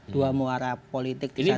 dua muara politik ini dua ratus dua belas